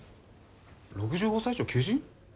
「６５歳以上求人」？